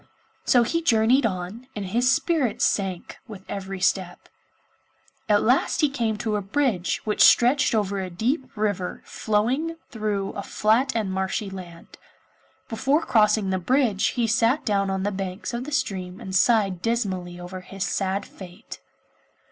So he journeyed on, and his spirits sank with every step. At last he came to a bridge which stretched over a deep river flowing through a flat and marshy land. Before crossing the bridge he sat down on the banks of the stream and sighed dismally over his sad fate.